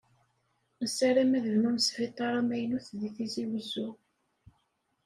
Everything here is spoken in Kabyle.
Nessaram ad bnun sbitaṛ amaynut di tizi wezzu.